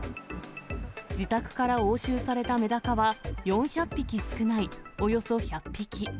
自宅から押収されたメダカは、４００匹少ないおよそ１００匹。